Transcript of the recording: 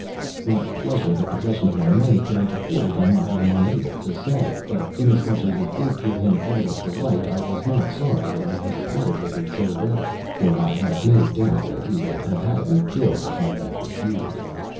What pleasure the possession of my money could have afforded him I am unable to say; but inasmuch as it did give him evident delight I was not sorry that I had parted with it so readily, for I had no doubt that he would have had me killed if I had refused.